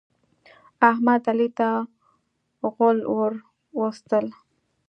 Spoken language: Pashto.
احمد، علي ته غول ور وستل.